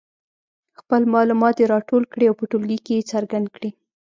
خپل معلومات دې راټول کړي او په ټولګي کې یې څرګند کړي.